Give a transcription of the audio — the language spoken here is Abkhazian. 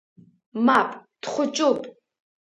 Мап, дхәыҷуп!